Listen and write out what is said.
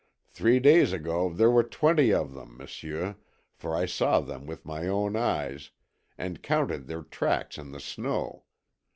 "Three days ago there were twenty of them, m'sieu, for I saw them with my own eyes, and counted their tracks in the snow.